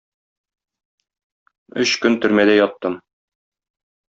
Өч көн төрмәдә яттым.